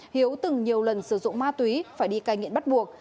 hiếu từng nhiều lần sử dụng ma túy phải đi cai nghiện bắt buộc